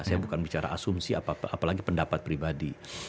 saya bukan bicara asumsi apalagi pendapat pribadi